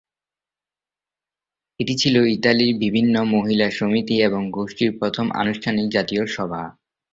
এটি ছিল ইতালির বিভিন্ন মহিলা সমিতি এবং গোষ্ঠীর প্রথম আনুষ্ঠানিক জাতীয় সভা।